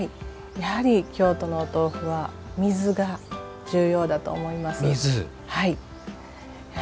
やはり京都のお豆腐は水が重要だと思います。